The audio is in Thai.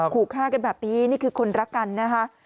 ขู่ฆ่ากันแบบนี้นี่คือคนรักกันนะคะ